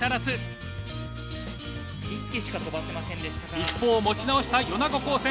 一方持ち直した米子高専。